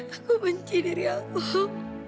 aku benci diri aku